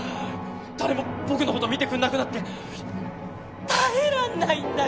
誰も僕のこと見てくんなくなって耐えらんないんだよ！